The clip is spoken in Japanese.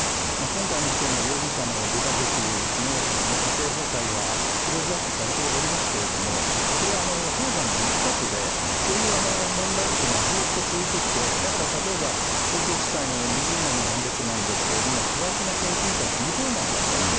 今回の事件の容疑者のご家族の家庭崩壊がクローズアップされておりますけれども、それは氷山の一角で、そういう問題っていうのは、ずっと続いてきて、だから例えば、東京地裁の２０年の判決なんですけれども、多額の献金というのは違法なんだと。